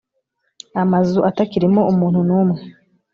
amazu atakirimo umuntu n’umwe,